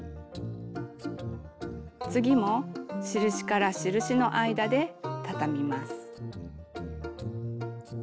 次も印から印の間でたたみます。